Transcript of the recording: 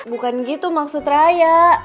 bukan gitu maksud raya